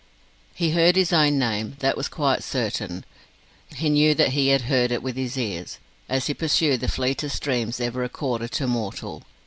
He heard his own name: that was quite certain. He knew that he heard it with his ears, as he pursued the fleetest dreams ever accorded to mortal.